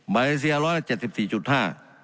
มาเลเซียร้อยละ๗๔๕